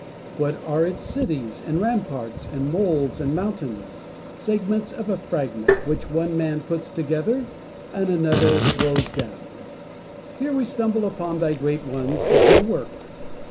What are its cities and ramparts, and moles and monu ments? Segments of a fragment, which one man puts together and another throws down. Here we stumble upon thy great ones at their work.